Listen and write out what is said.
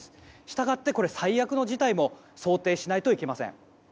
したがって最悪の事態も想定しないといけません。